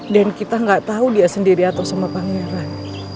dan kita gak tau dia sendiri atau sama pangeran